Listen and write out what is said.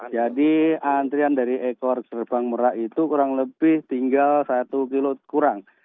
jadi antrian dari ekor gerbang merak itu kurang lebih tinggal satu kilo kurang